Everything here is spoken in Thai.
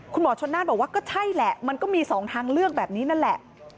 คุณหมอชนน่านบอกว่าก็ใช่แหละมันก็มี๒ทางเลือกแบบนี้นั่นแหละ